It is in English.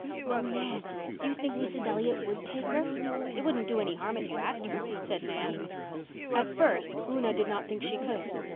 "Oh, Nan, do you think Mrs. Elliott would take her?" "It wouldn't do any harm if you asked her," said Nan. At first Una did not think she could.